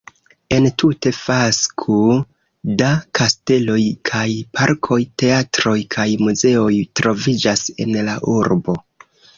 Entute fasko da kasteloj kaj parkoj, teatroj kaj muzeoj troviĝas en la urbo.